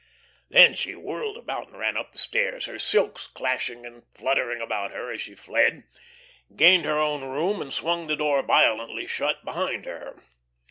Then she whirled about and ran up the stairs, her silks clashing and fluttering about her as she fled, gained her own room, and swung the door violently shut behind her.